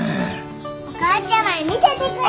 お母ちゃまに見せてくる！